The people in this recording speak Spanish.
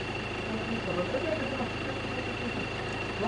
En muchos aspectos siguió el modelo de la Residencia de Estudiantes para varones.